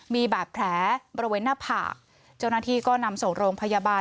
มีบาดแผลบริเวณหน้าผากเจ้าหน้าที่ก็นำส่งโรงพยาบาล